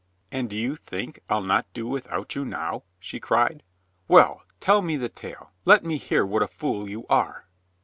"And do you think I'll not do without you now?" she cried. "Well, tell me the tale. Let me hear what a fool you are."